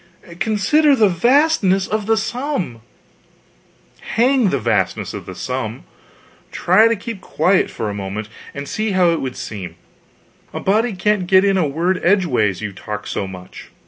Consider the vastness of the sum " "Hang the vastness of the sum! Try to keep quiet for a moment, and see how it would seem; a body can't get in a word edgeways, you talk so much.